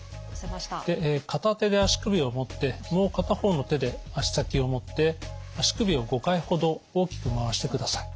で片手で足首を持ってもう片方の手で足先を持って足首を５回ほど大きく回してください。